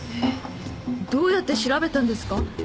どうやって調べたんですか？